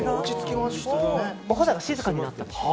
お肌が静かになったでしょ。